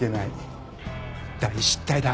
大失態だ！